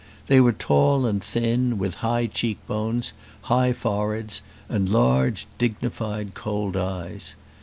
They were tall and thin, with high cheek bones, high foreheads, and large, dignified, cold eyes.